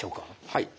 はい。